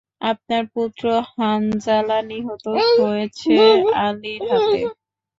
আপনার পুত্র হানজালা নিহত হয়েছে আলীর হাতে।